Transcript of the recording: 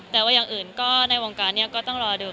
แต่ว่าอย่างอื่นก็ในวงการนี้ก็ต้องรอดู